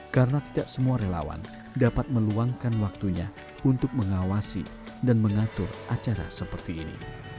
karena tidak semua relawan dapat meluangkan waktunya untuk mengawasi dan mengatur acara seperti ini